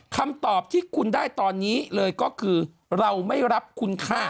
คำตอบที่คุณได้ตอนนี้เลยก็คือเราไม่รับคุณค่า